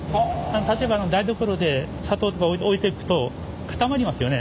例えば台所で砂糖とか置いとくと固まりますよね？